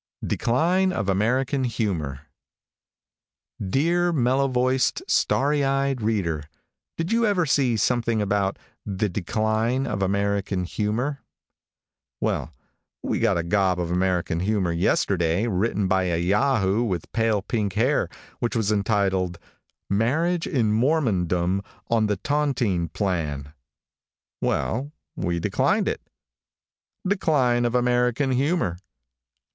DECLINE OF AMERICAN HUMOR |DEAR, mellow voiced, starry eyed reader, did you ever see something about "the decline of American humor?" Well, we got a gob of American humor, yesterday, written by a yahoo with pale pink hair, which was entitled "Marriage in Mormondom on the Tontine Plan." Well, we declined it. Decline of American humor.